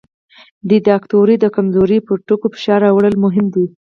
د دیکتاتورۍ د کمزورۍ پر ټکو فشار راوړل مهم دي.